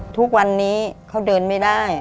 ทุกวันนี้เขาเดินไม่ได้